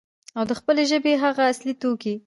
او د خپلې ژبې هغه اصلي توکي،